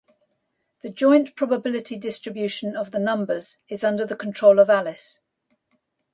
The joint probability distribution of the numbers is under the control of Alice.